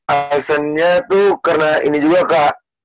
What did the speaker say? alasannya tuh karena ini juga kak